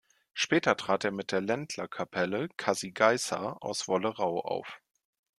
Später trat er mit der "Ländlerkapelle Kasi Geisser" aus Wollerau auf.